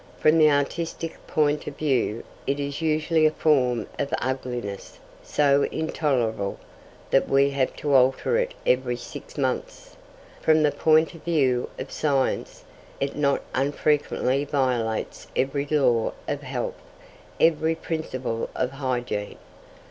From the artistic point of view, it is usually a form of ugliness so intolerable that we have to alter it every six months. From the point of view of science, it not unfrequently violates every law of health, every principle of hygiene.